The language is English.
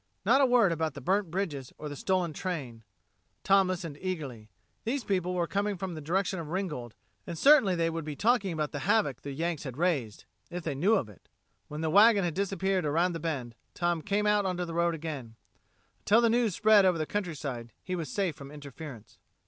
Not a word about the burnt bridges or the stolen train! Tom listened eagerly. These people were coming from the direction of Ringgold, and certainly they would be talking about the havoc the Yanks had raised if they knew of it. When the wagon had disappeared around the bend, Tom came out on the road again. Until the news spread over the countryside he was safe from interference.